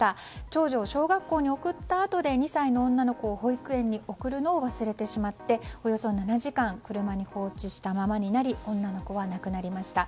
長女を小学校に送ったあとで２歳の女の子を保育園に送るのを忘れてしまっておよそ７時間車に放置したままにおなり女の子は亡くなりました。